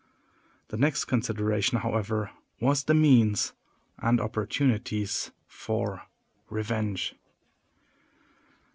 The next consideration, however, was the means and opportunities for revenge.